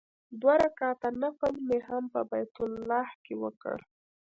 دوه رکعاته نفل مې هم په بیت الله کې وکړ.